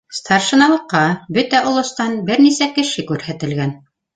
Старшиналыҡҡа бөтә олостан бер нисә кеше күрһәтелгән.